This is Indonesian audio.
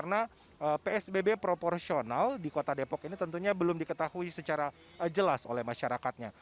karena psbb proporsional di kota depok ini tentunya belum diketahui secara jelas oleh masyarakatnya